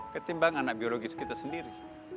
ketimbang anak biologis kita sendiri